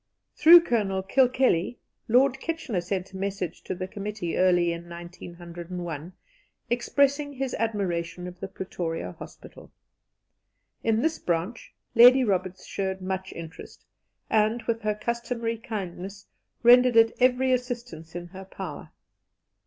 Through Colonel Kilkelly, Lord Kitchener sent a message to the committee early in 1901, expressing his admiration of the Pretoria Hospital. In this branch Lady Roberts showed much interest, and, with her customary kindness, rendered it every assistance in her power.